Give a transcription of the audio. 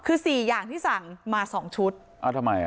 คือสี่อย่างที่สั่งมาสองชุดอ่าทำไมอ่ะ